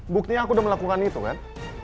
buktinya aku udah melakukan itu kan